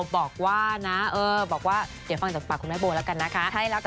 บอกว่านะบอกว่าเดี๋ยวฟังจากปากคุณแม่โบแล้วกันนะคะ